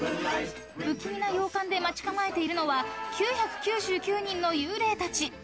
［不気味な洋館で待ち構えているのは９９９人の幽霊たち］